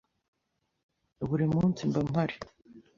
buri munsi mba mpari